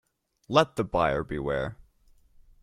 Let the buyer beware.